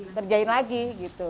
ngerjain lagi gitu